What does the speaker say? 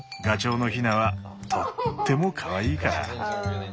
ガチョウのヒナはとってもかわいいから。